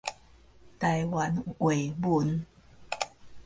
台灣話文